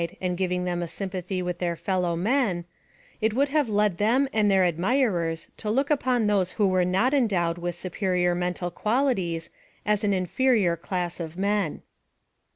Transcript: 139 and giving them a sympathy with their fellow men, it would have led them and their admirers to look upon those who were not endowed with superior mental qualities as an inferior class of men.